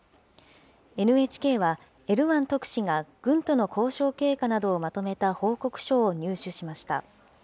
ＮＨＫは、エルワン特使が軍との交渉経過などをまとめた報告書を入手しました。